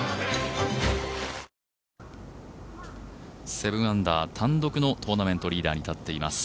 ７アンダー、単独のトーナメントリーダーに立っています。